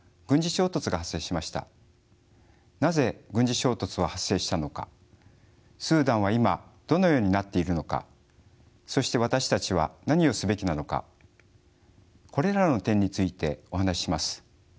なぜ軍事衝突は発生したのかスーダンは今どのようになっているのかそして私たちは何をすべきなのかこれらの点についてお話しします。